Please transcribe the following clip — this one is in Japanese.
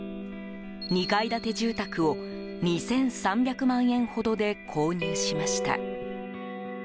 ２階建て住宅を２３００万円ほどで購入しました。